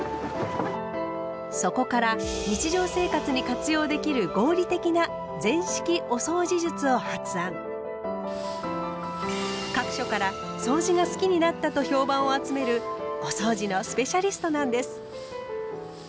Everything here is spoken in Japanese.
そこから日常生活に活用できる合理的な各所から「そうじが好きになった！」と評判を集めるおそうじのスペシャリストなんです。